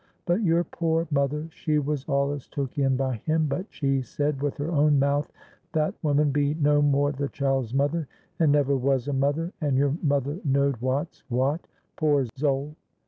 but your poor mother, she was allus took in by him, but she said with her own mouth, that woman be no more the child's mother, and never wos a mother, and your mother knowed wots wot, poor zowl!